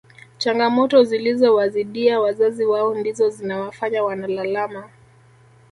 Changamoto zilizo wazidia wazazi wao ndizo zinawafanya wanalalama